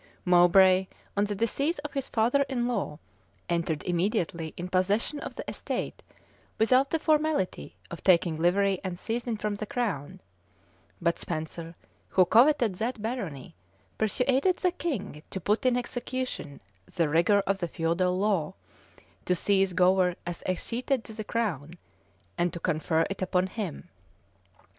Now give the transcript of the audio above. Mowbray, on the decease of his father in law, entered immediately in possession of the estate, without the formality of taking livery and seizin from the crown; but Spenser, who coveted that barony, persuaded the king to put in execution the rigor of the feudal law, to seize Gower as escheated to the crown, and to confer it upon him.